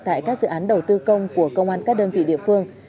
tại các dự án đầu tư công của công an các đơn vị địa phương